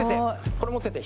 これ、持ってて。